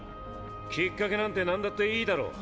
きっかけなんて何だっていいだろ。